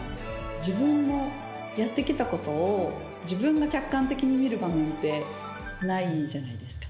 自分のやって来たことを自分が客観的に見る場面ってないじゃないですか。